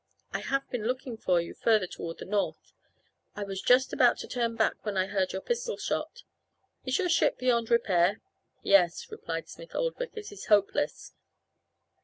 I have been looking for you further toward the north. I was just about to turn back when I heard your pistol shot. Is your ship beyond repair?" "Yes," replied Smith Oldwick, "it is hopeless."